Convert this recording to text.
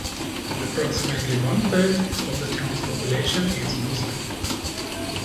Approximately one-third of the town's population is Muslim.